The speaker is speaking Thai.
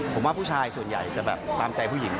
ผมว่าผู้ชายส่วนใหญ่จะแบบตามใจผู้หญิง